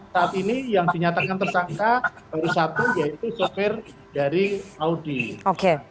saat ini yang dinyatakan tersangka baru satu yaitu sopir dari audi oke jadi saya kira publik akan memantau juga kejaksaan yang tersebut